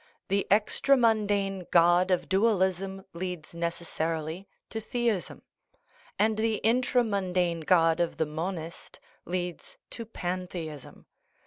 The extra mundane God of dualism leads necessarily to theism; and the intra mundane God of the monist leads to pantheism.